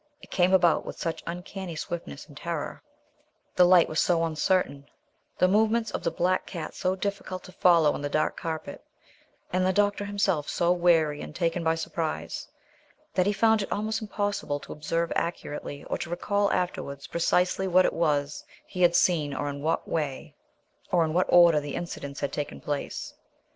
It came about with such uncanny swiftness and terror; the light was so uncertain; the movements of the black cat so difficult to follow on the dark carpet, and the doctor himself so weary and taken by surprise that he found it almost impossible to observe accurately, or to recall afterwards precisely what it was he had seen or in what order the incidents had taken place.